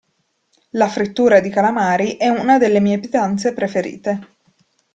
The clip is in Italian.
La frittura di calamari è una delle mie pietanze preferite.